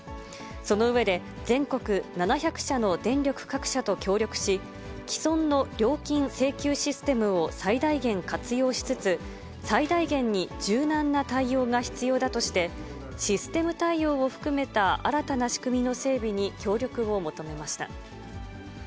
その上で、全国７００社の電力各社と協力し、既存の料金請求システムを最大限活用しつつ、最大限に柔軟な対応が必要だとして、システム対応を含めた新たな仕組みの整備に協力を求めました。